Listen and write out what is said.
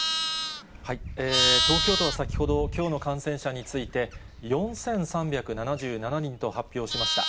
東京都は先ほど、きょうの感染者について、４３７７人と発表しました。